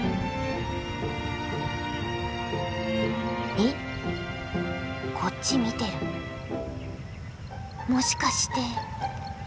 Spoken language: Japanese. えっこっち見てるもしかして。